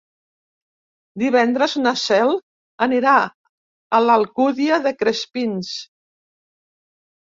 Divendres na Cel anirà a l'Alcúdia de Crespins.